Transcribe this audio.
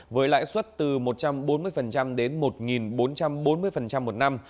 với lãi suất từ một trăm bốn mươi đến một bốn trăm bốn mươi một năm